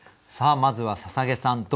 さあまずは捧さん